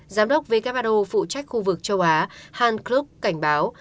giám đốc who phụ trách khu vực châu á han klub cảnh báo